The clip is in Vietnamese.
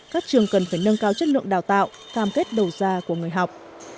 các trường cần phải nâng cao chất lượng đào tạo cam kết đầu ra của người học